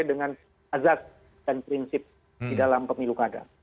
dengan azad dan prinsip di dalam pemilu kadang